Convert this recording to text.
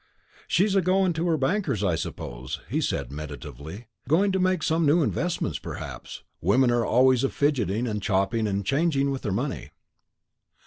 "She's a going to her banker's I suppose," he said meditatively; "going to make some new investments perhaps. Women are always a fidgeting and chopping and changing with their money."